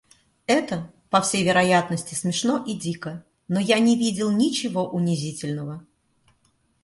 Это, по всей вероятности, смешно и дико, но я не видел ничего унизительного.